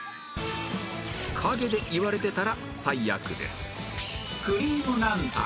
陰で言われてたら最悪です